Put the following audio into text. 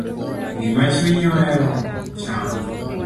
Gima chunyi ohero cham.